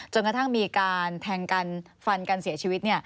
จนกระทั่งมีการแทงกันฟันกันเสียชีวิต